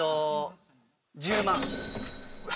１０万。